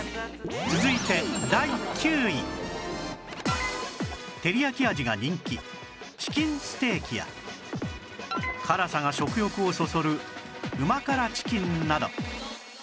続いててり焼き味が人気チキンステーキや辛さが食欲をそそる旨辛チキンなど